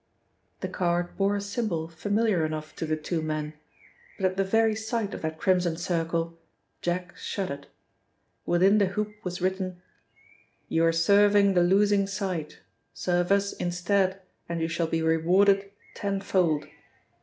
The card bore a symbol familiar enough to the two men, but at the very sight of that Crimson Circle, Jack shuddered. Within the hoop was written: 'You are serving the losing side. Serve us instead and you shall be rewarded tenfold.